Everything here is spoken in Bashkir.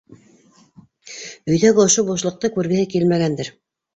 Өйҙәге ошо бушлыҡты күргеһе килмәгәндер.